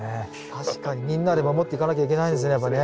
確かにみんなで守っていかなきゃいけないですねやっぱね。